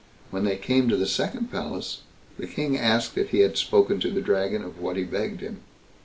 When they came to the second palace, the King asked if he had spoken to the Dragon of what he begged him?